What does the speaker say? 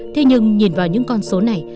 thế nhưng nhìn vào những con số này